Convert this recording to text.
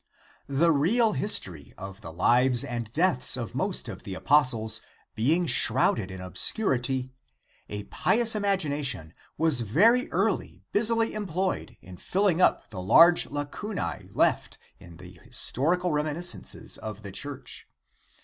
The real history of the lives and deaths of most of the apostles being shrouded in obscurity, a pious imagination was very early busily employed in filling up the large lacunae left in the historical reminiscences of the church.